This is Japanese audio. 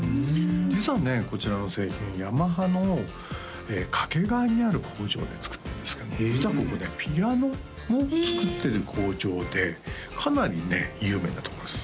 実はねこちらの製品ヤマハの掛川にある工場で作ってるんですけども実はここねピアノも作ってる工場でかなりね有名なところです